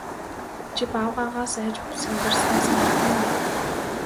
Чи баавгайгаас айж сандарснаа санаж байна уу?